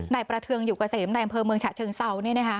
ในประเทิงอยู่กระเสมในอำเภอเมืองฉะเชิงเซานี่นะฮะ